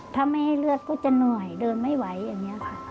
ถ้าไม่ให้เลือดก็จะเหนื่อยเดินไม่ไหวอย่างนี้ค่ะ